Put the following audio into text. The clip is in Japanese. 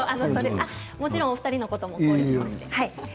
もちろんお二人のことも考慮しました。